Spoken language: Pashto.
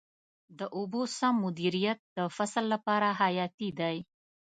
د اوبو سم مدیریت د فصل لپاره حیاتي دی.